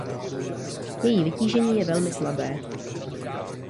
Její vytížení je velmi slabé.